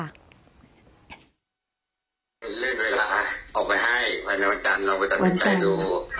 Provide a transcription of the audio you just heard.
เลื่อนเวลาออกไปให้ไปในวันจันทร์เราไปตำแหน่งใจดู